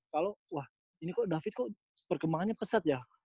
kalo wah ini kok david perkembangannya pesat ya